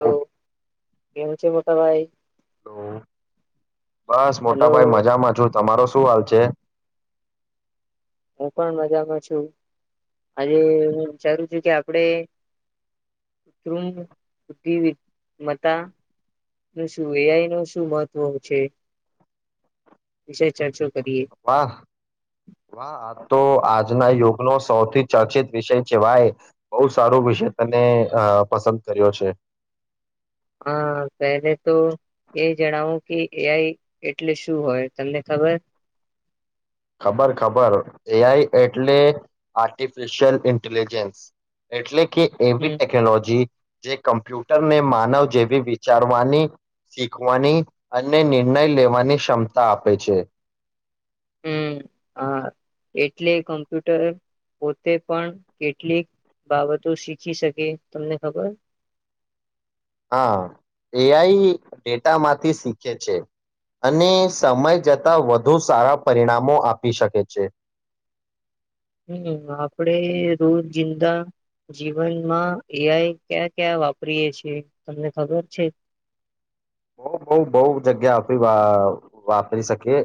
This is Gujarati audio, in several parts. હલો કેમ છે મોટાભાઈ બસ, હેલો મોટાભાઈ હું મજામાં છ. તમારો, શું હલ છે. હું, પણ મજામાં છું, આજે હું વિચારું છું, કે આપડે કુમ બુધિ મતા. શું એઆઈનુ શું મહત્વ છે, વિશે ચર્ચો. કરીએ વાહ, વાહ. તો આજના યુગનો, સૌથી ચર્ચિત વિષય કવાય બહુ, સારો વિષય તને પસંદ કર્યો છે. હા, પહેલે તો એ જણાવો કે એઆઈ એટલે શું હોય તમને ખબર. ખબર, ખબર એઆઈ એટલે આર્ટિફિશિયલ ઇન્ટેલિજન્સ, એટલે. કે, એવી હમ ટેકનોલોજી. જે કમ્પ્યુટરને માનવ જેવી વિચારવાની શીખવાની અને નિર્ણય લેવાની ક્ષમતા આપે છે. હમ હા એટલે કોમ્પ્યુટર પોતે પણ કેટલીક બાબતો શીખી શકે તમને ખબર? હા એઆઈ ડેટામાંથી શીખે છે અને સમય જતા વધુ સારા પરિણામો આપી શકે છે. હમ આપદે રોજિંદા જીવનમાં એઆઈ ક્યાં ક્યા વાપરીએ છે તમને ખબર છે? બઉ બઉ બઉ જગ્યા આપી વાપરી શકીએ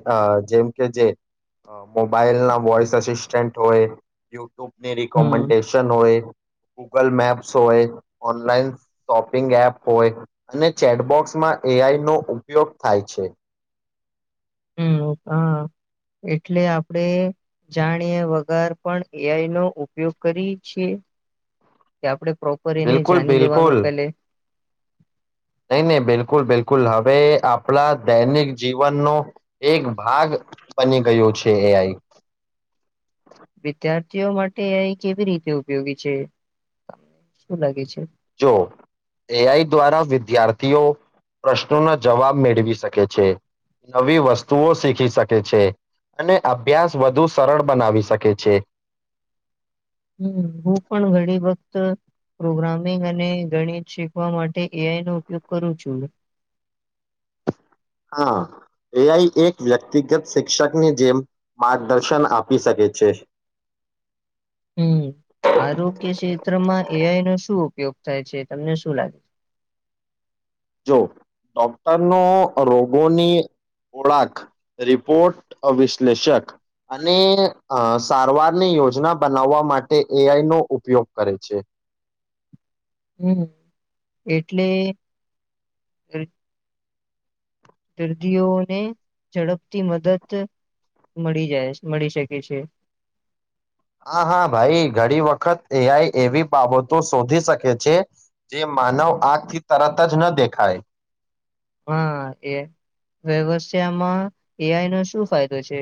જેમ કે જે અમ મોબાઈલના વોઇસ અસિસ્ટન્ટ તોય ટૂબની હમ રિકોમેન્ડેશન હોય. ગૂગલ મેપ્સ હોય, ઓનલાઈન શોપિંગ એપ હોય, અને ચેટબોક્સમાં એઆઈ નો ઉપયોગ થાય છે. હમ હા એટલે આપડે જાણીએ વગર પણ એઆઈ નો ઉપયોગ કરીએ છીએ કે આપડે પ્રોપર એને બિલકુલ જાણી લેવાનું બિલકુલ પેલે. નહી નહી બિલકુલ બિલકુલ હવે આપણા દૈનિક જીવનનો એક ભાગ બની ગયો છે એઆઈ. વિદ્યાર્થીઓ માટે એઆઈ કેવી રીતે ઉપયોગી છે શું લાગે છે? જો એઆઈ દ્વારા વિદ્યાર્થીઓ પ્રશ્નોના જવાબ મેળવી શકે છે નવી વસ્તુઓ શીખી શકે છે અને અભ્યાસ વધુ સરળ બનાવી શકે છે. હમ હું પણ ઘણી વખત પ્રોગ્રામિંગ અને ગણિત શીખવા માટે એઆઈનો ઉપયોગ કરું છું. હા એઆઈ એક વ્યક્તિગત શિક્ષકની જેમ માર્ગદર્શન આપી શકે છે. હમ આરોગ્ય ક્ષેત્રમાં એઆઈ નો શું ઉપયોગ થાય છે તમને શું લાગે છે? જો ડોક્ટરનો રોગોની ઓળાક રિપોર્ટ વિશ્લેષક અને અ સારવારની યોજના બનાવવા માટે એઆઈ નો ઉપયોગ કરે છે. હમ એટલે દર્દીઓને ઝડપથી મદદ મળી જાય મળી શકે છે. હા હા ભાઈ ઘણી વખત એઆઈ એવી બાબતો શોધી શકે છે જે માનવ આંખથી તરત જ ન દેખાય. હા એ વ્યવથામાં એઆઈ નો શું ફાયદો છે.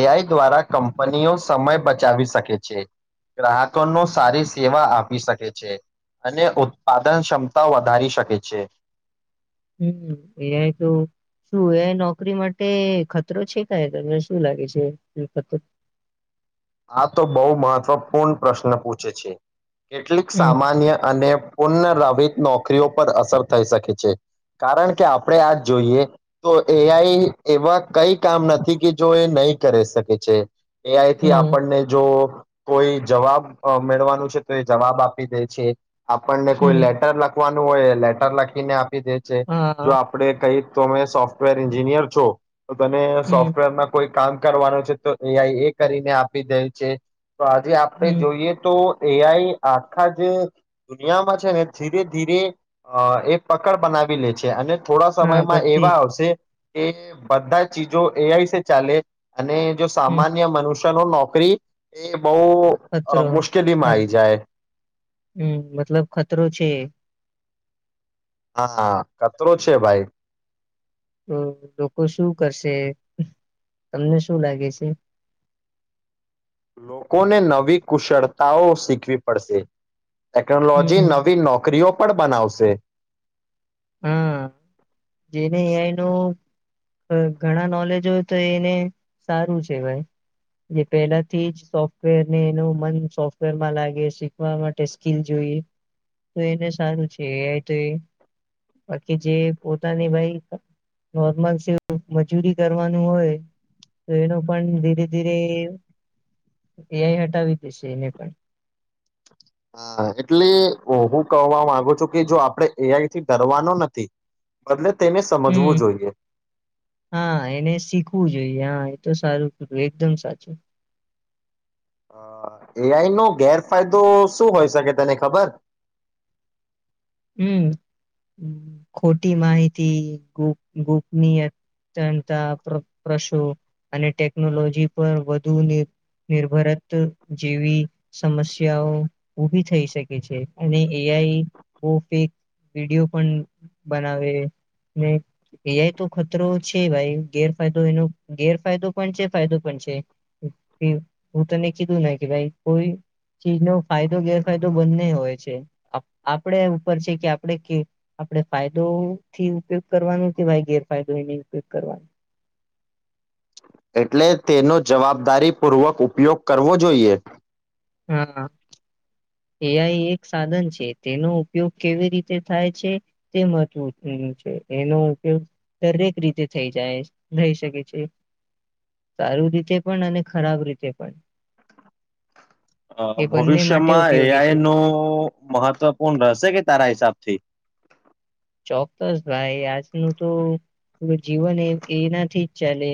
એઆઈ દ્વારા કંપનીઓ સમય બચાવી શકે છે. ગ્રાહકો નો સારી સેવા આ પી શકે છે અને ઉત્પાદન ક્ષમતા વધારી શકે છે. હમ એઆઈ તો શું એઆઈ નોકરી માટે ખતરો છે ક તમને શું લાગે છે? આ તો બહુ મહત્વપૂર્ણ પ્રશ્ન પૂછે છે. કેટલીક હમ સામાન્ય અને પુનરાવિત નોકરીઓ પર અસર થઈ શકે છે કારણ કે આપડે આજ જોઈએ તો એઆઈ એવા કઈ કામ નથી કે જો એ નહી કરી શકે છે. એઆઈથી આપ હમ પણને જો કોઈ જવાબ અ મેળવાનું છે તો એ જવાબ આપી દે છે આપણને કોઈ હમ લેટર લખવાનું હોય લેટર લખીને પી દે છે જો હા આપડે કઈ તમે સોફ્ટવેર એન્જિનિયર છો તને હમ સોફ્ટવેરમાં કોઈ કામ કરવાનું છે તો એ કરીને આપ પી દેય છે. તો આજે આપણે હમ જોઈએ તો એઆઈ આખા જે દુનિયામાં છે ને ધીરે ધીરે અ એક પકડ બનાવી લે છે અને થોડા હા સમયમાં બધી એવા જ આવશે એ બધા ચીજો એઆઈ સે ચાલે અને જો હમ સામાન્ય મનુષ્ય તનો નો નોકરી એ. ખતરો મુશ્કેલીમાં આઈ જાય હમ મતલબ ખતરો છે. હા ખતરો છે ભાઈ. તો લોકો શું કરશે તમને શું લાગે છે. લોકોને નવી કુશળતાઓ શીખવી પડશે. ટેકનોલોજી હમ નવી નોકરીઓ. પણ બનાવશે. હા જેને એઆઈ નો ઘણા નોલેજો તો એને સારું છે ભાઈ જે પહેલાથી જ સોફ્ટવેર ને એનું મન સોફ્ટવેરમાં લાગે શીખવા માટે સ્કીિલ જોઈએ તો એને સારું છે એઆઈ તો એ. બાકી જે પોતાની ભાઈ નોર્મલ મજૂરી કરવાનું હોય તો એનું પણ ધીરે ધીરે એ એ આઇ હટાવી દેશે એને પણ. હ એટલે હું કવા માંગુ છું કે જો આપડે એઈથી ડરવાનો નથી બલે. હમ હા એને શીખવું જોઈએ હા. તો સારું કધું એકદમ સાચું. અ એઆઈ નો ગેરફાયદો શું હોય શકે તને ખબર. હમ ખોટી માહિતી ગુ ગુપની અતતા પ્રશો અને ટેકનોલોજી પર વધુ નિર્ભરત જેવી સમસ્યાઓ ઉઊભી થઈ શકે છે અને એઆઈ. બ ફેક વિડીયો પણ બનાવે ને એયાય તો ખતરો છે ભાઈ ગેરફાયદો એનો ગેરફાયદો પણ છે ફાયદો પણ છે હું તને કીધું ને કે ભાઈ કોઈ ચીજનો ફાયદો ગેરફાયદો બંને હોય છે. આપણે ઉપર છે કે આપણે કે આપણે ફાયદોથી ઉપયોગ કરવાનો કે ભાઈ ગેરફાયદો એની ઉપયોગ કરવાનો. એટલે તેનો જવાબદારી પૂર્વક ઉપયોગ કરવો જોઈએ. હા એ આઇ એક સાધન છે તેનો ઉપયોગ કેવી રીતે થાય છે તે મહત્વ છે એનો ઉપયોગ દરેક રીતે થઈ જાય થઈ શકે છે સારું રીતે પણ અને ખરાબ રીતે પણ. અ એ બંને માટે ભવિષ્યમાં ઉપયોગી એઆઈ છે નું મહત્વપૂર્ણ રહેશે કે તારા હિસાબથી. ચોક્કસ ભાઈ આજનું તો જીવન એ એનાથી. ચાલે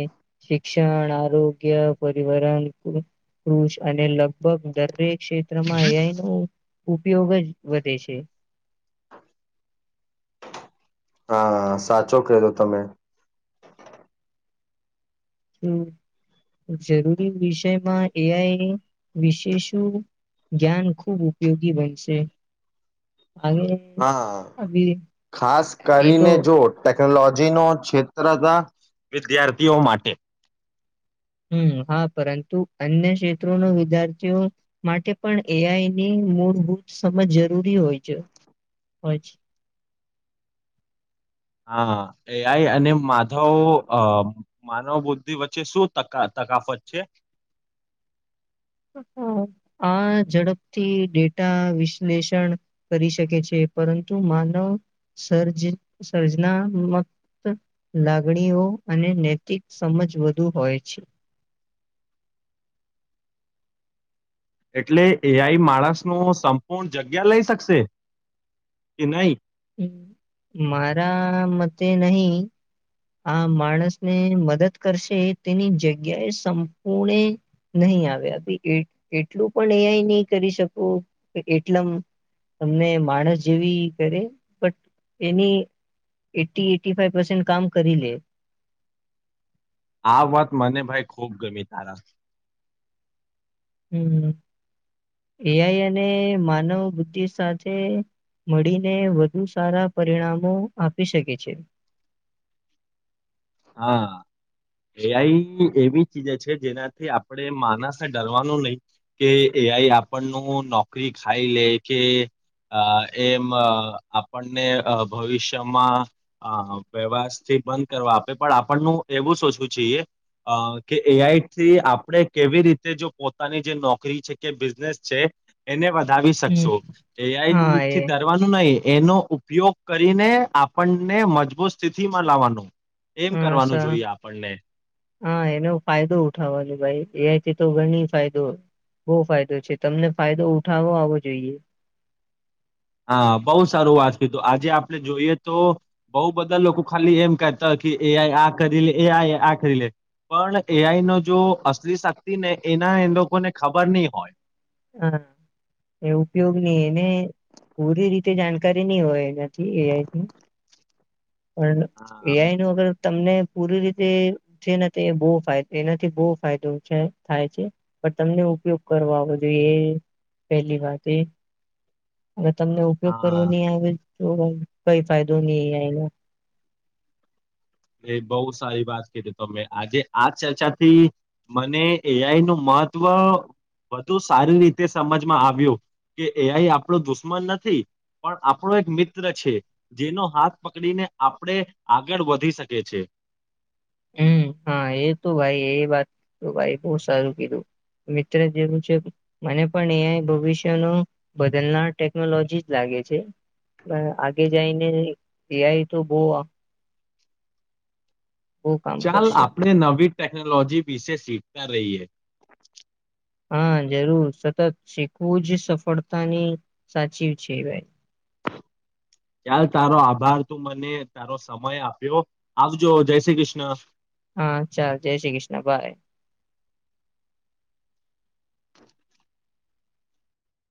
શિક્ષણ આરોગ્ય પરિવરન કુષ અને લગભગ દરેક. ક્ષેત્રમાં એ આઇ નું. ઉપયોગ જ વધે છે. હા સાચો કધો તમે. જરૂરી વિષયમાં એઆઈ વિશે શું જ્ઞાન ખૂબ ઉપયોગી બનશે. આગે હા ખાસ એ તો કરીને જો. ટેક્નોલોજી નો ક્ષેત્ર હતા વિદ્યાર્થીઓ માટે. હમ હા પરંતુ અન્ય ક્ષેત્રોના વિદ્યાર્થીઓ માટે પણ એઆઈની મૂળભૂત સમજ જરૂરી હોય છે હોય છે. હા એ આઇ અને માધવ અ માનવ બુદ્ધિ વચ્ચે શુંકા તકા તકાફત છે. આ ઝડપથી ડેટા વિશ્લેષણ કરી શકે છે પરંતુ માનવ સર્જ સર્જનામક લાગણીઓ અને નૈતિક સમજ વધુ હોય છે. એટલે એઆઈ માણસ નું સંપૂર્ણ જગ્યા લઈ શકશે કે નહી. હ મારા મતે નહી આ માણસને મદદ કરશે તેની જગ્યાએ સંપૂર્ણે નહી આવે એટલું પણ એ આઇ નહી કરી શકો કે એટલમ તમને માણસ જેવી કરે બટ એની એટી એટી ફાઇપ કામ કરી લે. આ વાત મને ભાઈ ખૂબ ગમી તારા. હમ એઆઈ અને માનવ બુદ્ધિ સાથે મળીને વધુ સારા પરિણામો આપી શકે છે. હા એઆઈ એવી ચીજે છે જેનાથી આપણે માનસને ડરવાનું નહી કે એઆઈ આપણનું નોકરી ખાઈ લે કે એમ આપણને ભવિષ્યમાં વ્યવથી બંધ કરવા. પણ આપણનુ એવું સોચવું જોઈએ અ કે એઆઈથી આપણે કેવી રીતે જો પોતાની જે નોકરી છે કે બિઝનેસ છે એને વધાવી હમ શકશો હા એ એઆઈથી દરવાનું નય એનો ઉપયોગ કરીને આપણને મજબૂત સ્થિતિમાં લાવવાનું એમ હમ કરવાનું સરુ જોઈએ આપણને હા એનો ફાયદો ઉઠાવાનો ભાઈ તેથી તો ઘણી ફાયદો બહ ફાયદો છે તમને ફાયદો ઉઠાવો આવો જોઈએ. હા બહુ સારું વાત કીધું આજે આપણે જોઈએ તો બોવ બધા લોકો ખાલી એમ કતા કે એ આઈ આ કરી લે એ આ આ કરી લે પણ એઆઈ ન જો અસલી શક્તિ ને એના એ લોકોને ખબર નહી હોય હા એ ઉપયોગની એને પૂરી રીતે જાણકારી ની હોય એનાથી એઆઈથી પણ હા એઆઈનું અગર તમને પૂરી રીતે છેને તે બહ એનાથી બહુ ફાયદો છે થાય છે પણ તમને ઉપયોગ કરવા આવો જોઈએ એ પહેલી વાત એ હવે તમને ઉપયોગ કરવો હા ની આવે તોઈ કઈ ફાયદો ની આયવો એ બહુ સારી વાત કીધી ત મેં આજે આ ચર્ચાથી મને એઆઈનું મહત્વ વધુ સારી રીતે સમજમાં આવ્યું કે એઆઈ આપણો દુશ્મન નથી પણ આપણો એક મિત્ર છે જેનો હાથ પકડીને આપણે આગળ વધી શક કીએ છે. હમ હા એ તો ભાઈ એ વાત ભાઈ બહુ સારું કીધું મિત્ર જેવું છે મને પણ એઆઈ ભવિષ્યનો બદલનાર ટેકનોલોજી જ લાગે છે પણ આગે જઈને એઆઈ તો બહ કામ ચાલ કરશે આપણે નવી ટેકનોલોજી વીશે શીખતા રહીયે હા જરૂર સતત શીખવું જ સફળતાની સાચી છે ભાઈ ચાલ તારો આભાર તું મને તારો સમય આપ્યો આવજો જય શ્રી કૃષ્ણ હા ચાલ જય શ્રી કૃષ્ણ બાય [inaudible]